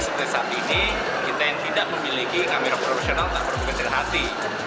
seperti saat ini kita yang tidak memiliki kamera profesional tak perlu bekerja hati